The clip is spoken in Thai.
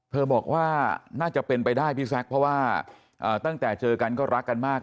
บอกว่าน่าจะเป็นไปได้พี่แซคเพราะว่าตั้งแต่เจอกันก็รักกันมาก